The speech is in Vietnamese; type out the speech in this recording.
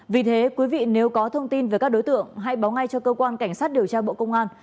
vì thế quý vị nếu có thông tin về các đối tượng hãy báo ngay cho cơ quan cảnh sát điều tra bộ công an